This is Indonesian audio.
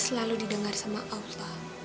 selalu didengar sama kau pak